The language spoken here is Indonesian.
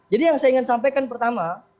jadi yang saya ingin sampaikan pertama